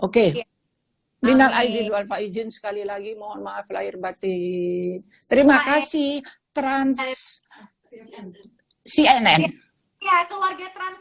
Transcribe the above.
oke bina lagi dua pak izin sekali lagi mohon maaf lahir batin terima kasih trans cnn keluarga trans